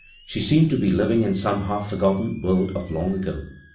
She seemed to be living in some half forgot ten world of long ago.